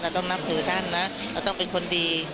ต้องนับถือท่านนะเราต้องเป็นคนดี